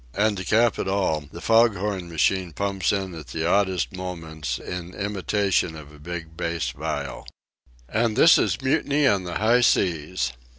And to cap it all, the fog horn machine pumps in at the oddest moments in imitation of a big bass viol. And this is mutiny on the high seas!